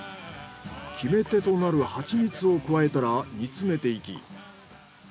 決め手となるハチミツを加えたら煮詰めていき。